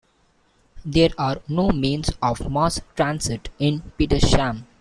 There are no means of mass transit in Petersham.